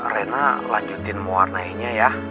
rena lanjutin mewarnai nya ya